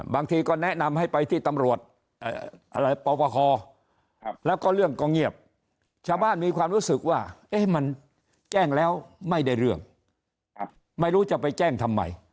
บางทีก็แนะนำให้ไปที่ตำรวจปปคแล้วก็เรื่องก็เงียบชาวบ้านมีความรู้สึกว่ามันแจ้งแล้วไม่ได้เรื่องไม่รู้จะไปแจ้งทำไม